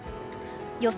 予想